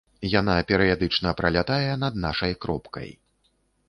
Яна перыядычна пралятае над нашай кропкай.